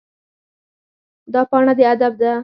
دا پاڼه د ادب ده.